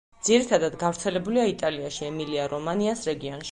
ძირითადად გავრცელებულია იტალიაში, ემილია-რომანიას რეგიონში.